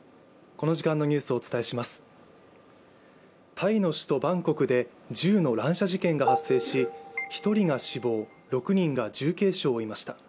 タイの首都バンコクで銃の乱射事件が発生し１人が死亡６人が重軽傷を負いました。